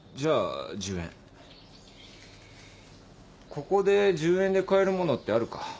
ここで１０円で買えるものってあるか？